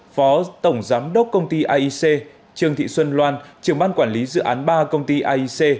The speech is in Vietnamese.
phó tổng giám đốc công ty aic trương thị xuân loan trường ban quản lý dự án ba công ty aic